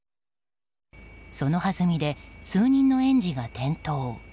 そのはずみで数人の園児が転倒。